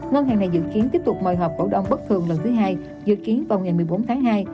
ngân hàng này dự kiến tiếp tục mời họp cổ đông bất thường lần thứ hai dự kiến vào ngày một mươi bốn tháng hai